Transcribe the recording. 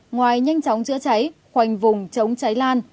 ngoài nhanh chóng chữa cháy khoanh vùng chống cháy lan